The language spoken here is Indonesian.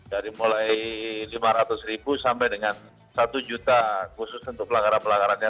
dari mulai lima ratus ribu sampai dengan satu juta khusus untuk pelanggaran pelanggarannya